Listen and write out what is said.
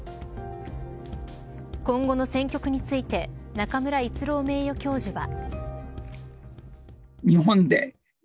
今後の戦局について中村逸郎名誉教授は。